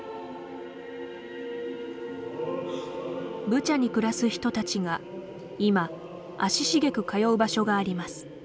ブチャに暮らす人たちが今、足しげく通う場所があります。